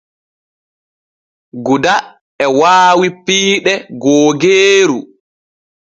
Guda e waawi piiɗe googeeru.